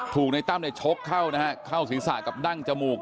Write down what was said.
ถูกในตั้มได้ชกเข้านะครับเข้าศีรษะกับดั้งจมูก